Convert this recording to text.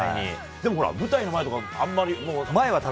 でも、舞台の前とかあまり。